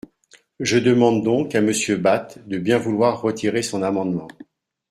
Je demande donc à Monsieur Bapt de bien vouloir retirer son amendement.